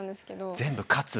「全部勝つ」。